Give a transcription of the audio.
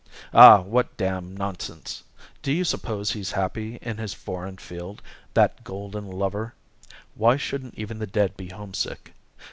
"Ah, what damned nonsense! Do you suppose he's happy, in his foreign field, that golden lover? Why shouldn't even the dead be homesick?